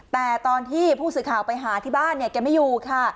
แต่ตอนที่ผู้สื่อข่าวไปหาที่บ้านเนี่ยแกไม่อยู่ค่ะ